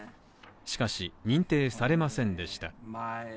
しかし、認定されませんでした。